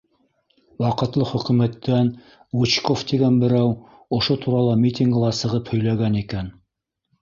Ваҡытлы хөкүмәттән Гучков тигән берәү ошо турала митингыла сығып һөйләгән икән.